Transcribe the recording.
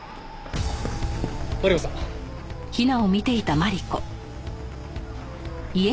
マリコさん。